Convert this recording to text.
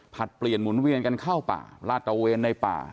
เปลี่ยนหมุนเวียนกันเข้าป่าลาดตะเวนในป่า